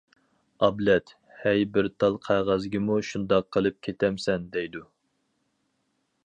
ئابلەت:-ھەي، بىر تال قەغەزگىمۇ شۇنداق قىلىپ كېتەمسەن دەيدۇ.